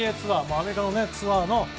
アメリカのツアー。